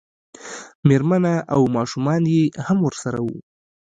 مېرمنه او ماشومان یې هم ورسره وو.